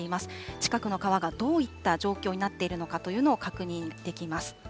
近くの川がどういった状況になっているのかというのを確認できます。